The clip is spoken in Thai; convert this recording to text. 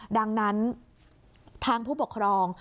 ดังนั้นทางผู้ปกครอง